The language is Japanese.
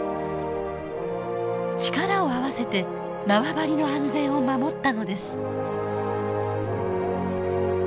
力を合わせて縄張りの安全を守ったのです。